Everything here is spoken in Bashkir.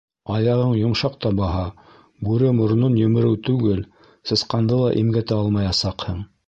Аяғың йомшаҡ та баһа, бүре моронон емереү түгел, сысҡанды ла имгәтә алмаясаҡһың.